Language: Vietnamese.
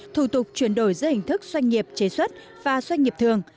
thủ tục chuyển đổi giữa hình thức doanh nghiệp chế xuất và doanh nghiệp thường